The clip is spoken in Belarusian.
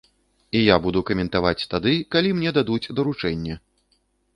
І я буду каментаваць тады, калі мне дадуць даручэнне.